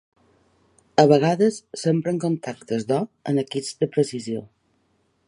A vegades s'empren contactes d'or en equips de precisió.